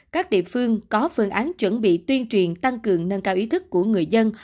các địa phương có phương án chuẩn bị tuyên truyền tăng cường nâng cao ý thức của người dân